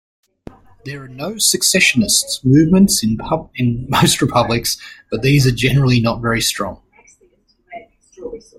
There are secessionist movements in most republics, but these are generally not very strong.